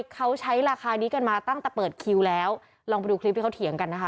เขาใช้ราคานี้กันมาตั้งแต่เปิดคิวแล้วลองไปดูคลิปที่เขาเถียงกันนะคะ